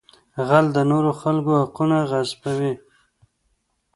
غل د نورو خلکو حقونه غصبوي